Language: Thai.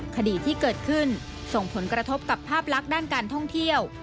คดีที่เกิดขึ้นส่งผลกระทบกับภาพลักษณ์ด้านการท่องเที่ยว